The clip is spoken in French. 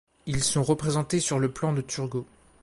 Ils sont représentés sur le plan de Turgot.